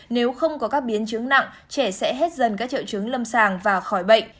nếu không có các biến chứng nặng trẻ sẽ hết dần các triệu chứng lâm sàng và khỏi bệnh